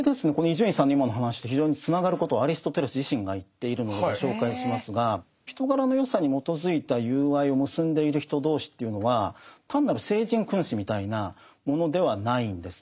伊集院さんの今の話と非常につながることをアリストテレス自身が言っているのでご紹介しますが人柄の善さに基づいた友愛を結んでいる人同士というのは単なる聖人君子みたいなものではないんです。